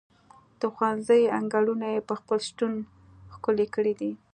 د ښوونځي انګړونه یې په خپل شتون ښکلي کړي دي.